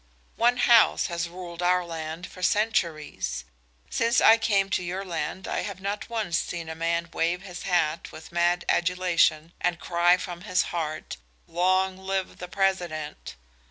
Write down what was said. "One house has ruled our land for centuries. Since I came to your land I have not once seen a man wave his hat with mad adulation and cry from his heart: 'Long live the President!'